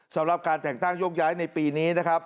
สำหรับการแต่งตั้งโยกย้ายในปีนี้นะครับ